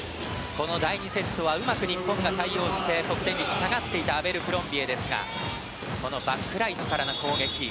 この第２セットはうまく日本が対応して得点率が下がっていたアベルクロンビエですがバックライトからの攻撃。